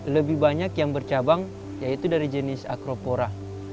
lebih banyak yang bercabang yaitu dari jenis acropora